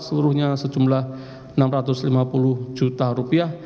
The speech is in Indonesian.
seluruhnya sejumlah enam ratus lima puluh juta rupiah